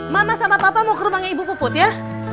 mama sama papa mau ke rumahnya ibu puput ya